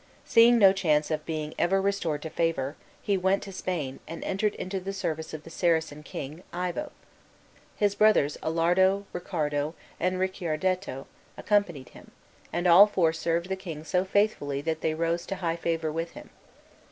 Seeing no chance of being ever restored to favor, he went to Spain, and entered into the service of the Saracen king, Ivo. His brothers, Alardo, Ricardo, and Ricciardetto, accompanied him, and all four served the king so faithfully that they rose to high favor with him.